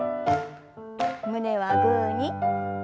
胸はグーに。